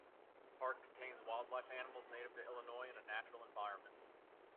The park contains wildlife animals native to Illinois, in a natural environment.